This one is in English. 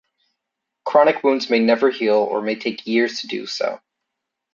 Chronic wounds may never heal or may take years to do so.